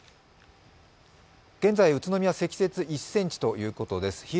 現在、宇都宮、積雪１ｃｍということです。